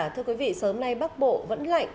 thưa quý vị sớm nay bắc bộ vẫn lạnh